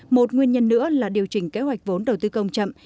một nguyên nhân nữa là điều chỉnh kế hoạch vốn đầu tư công chậm